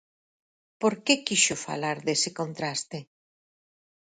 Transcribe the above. Por que quixo falar dese contraste?